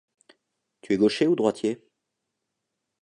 Tu es gaucher ou droitier ?